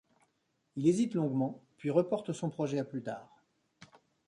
Il hésite longuement, puis reporte son projet à plus tard...